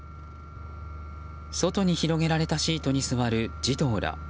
外に広げられたシートに座る児童ら。